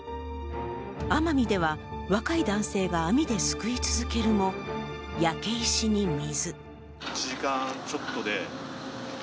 奄美では若い男性が網ですくい続けるも、焼け石に水。